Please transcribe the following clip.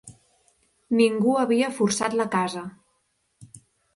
Ningú havia forçat la casa.